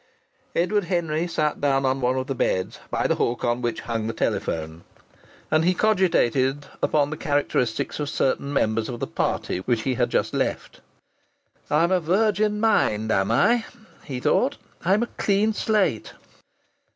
Edward Henry sat down on one of the beds by the hook on which hung the telephone. And he cogitated upon the characteristics of certain members of the party which he had just left. "I'm a 'virgin mind,' am I?" he thought. "I'm a 'clean slate'?